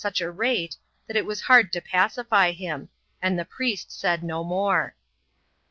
such a rate, that it was bard to pacify him ; and the priest said no more.